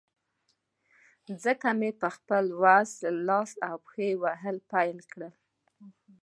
ځکه مې په خپل وس، لاس او پښې وهل پیل کړل.